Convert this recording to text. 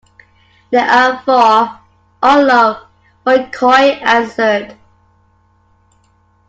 There are four, all low, McCoy answered.